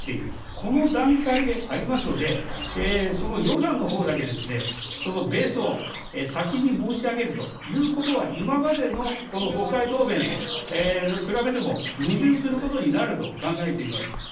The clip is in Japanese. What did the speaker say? この段階でありますので、その予算のほうだけですね、そのベースを先に申し上げるということは、今までのこの国会答弁と比べても矛盾することになると考えています。